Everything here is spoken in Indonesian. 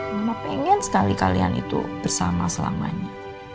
mama pengen sekali kalian itu bersama selamanya